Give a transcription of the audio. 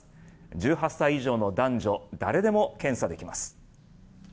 １８歳以上の男女誰でも検査できます。